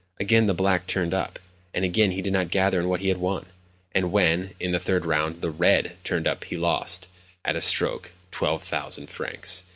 Again the black turned up, and again he did not gather in what he had won; and when, in the third round, the red turned up he lost, at a stroke, 1200 francs.